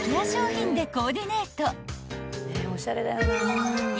商品でコーディネート］